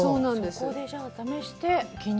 そこで試して。